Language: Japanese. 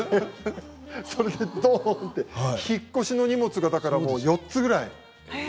それで、どん！って引っ越しの荷物が４つぐらい。